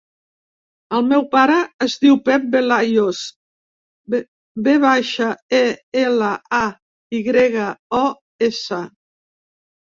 El meu pare es diu Pep Velayos: ve baixa, e, ela, a, i grega, o, essa.